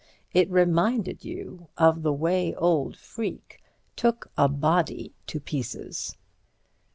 It reminded you of the way old Freke took a body to pieces.